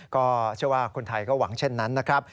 ก็เชื่อว่าคนไทยก็หวังเช่นนั้นนะครับ